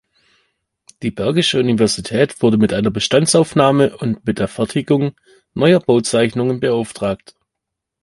Die Bergische Universität wurde mit einer Bestandsaufnahme und mit der Fertigung neuer Bauzeichnungen beauftragt.